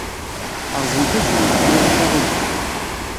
Rẓem tazewwut, ma ulac aɣilif.